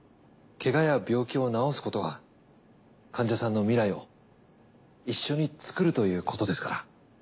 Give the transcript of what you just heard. ケガや病気を治すことは患者さんの未来を一緒に作るということですから。